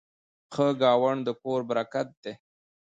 ښه ګاونډ د کور برکت دی.